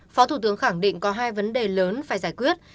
phó thủ tướng khẳng định có hai vấn đề lớn phải giải quyết